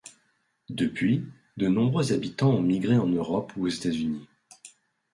Depuis, de nombreux habitants ont migré en Europe ou aux États-Unis.